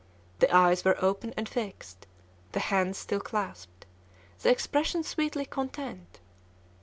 The eyes were open and fixed; the hands still clasped; the expression sweetly content.